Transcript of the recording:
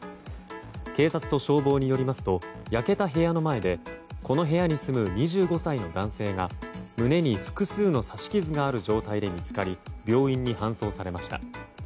警察と消防によりますと焼けた部屋の前でこの部屋に住む２５歳の男性が胸に複数の刺し傷がある状態で見つかり病院に搬送されました。